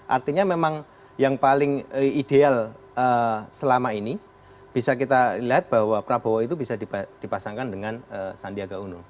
artinya memang yang paling ideal selama ini bisa kita lihat bahwa prabowo itu bisa dipasangkan dengan sandiaga uno